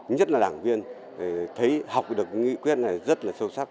nhất là đảng viên thấy học được nghị quyết này rất là sâu sắc